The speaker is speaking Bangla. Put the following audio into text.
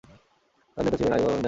তাদের নেতা ছিলেন আলবাব ইবন হাইলূন।